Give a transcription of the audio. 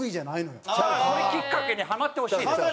じゃあこれきっかけにハマってほしいです。